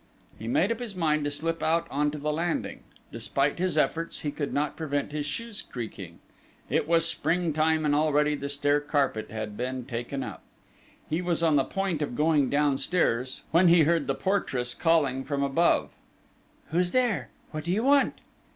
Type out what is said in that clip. He made up his mind to slip out on to the landing. Despite his efforts, he could not prevent his shoes creaking: it was spring time, and already the stair carpet had been taken up. He was on the point of going downstairs, when he heard the portress calling from above: "Who's there?... What do you want?"